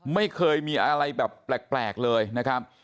ไม่เคยมีอะไรแบบแปลกเลยนะครับ